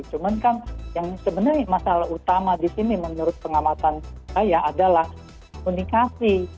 cuman kan yang sebenarnya masalah utama di sini menurut pengamatan saya adalah komunikasi